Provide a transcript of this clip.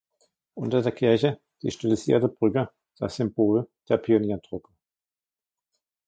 Unter der Kirche die stilisierte Brücke, das Symbol der Pioniertruppe.